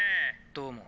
「どうも」。